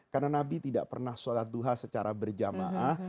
karena nabi tidak pernah sholat duha secara berjamaah